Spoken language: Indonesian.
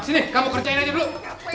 sini kamu kerjain aja belum